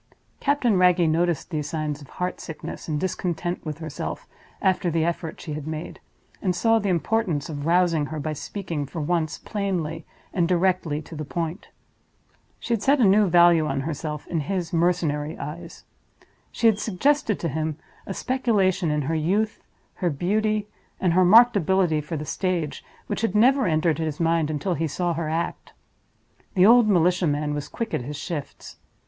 Captain Wragge noticed these signs of heart sickness and discontent with herself, after the effort she had made, and saw the importance of rousing her by speaking, for once, plainly and directly to the point. She had set a new value on herself in his mercenary eyes. She had suggested to him a speculation in her youth, her beauty, and her marked ability for the stage, which had never entered his mind until he saw her act. The old militia man was quick at his shifts.